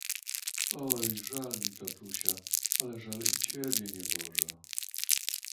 "Oj, żal mi tatusia, ale żal i ciebie, nieboże!"